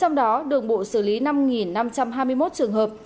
trong đó đường bộ xử lý năm năm trăm hai mươi một trường hợp